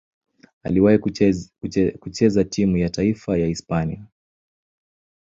Aliwahi kucheza timu ya taifa ya Hispania.